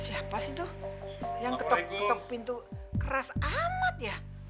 siapa sih tuh yang ketok ketok pintu keras amat ya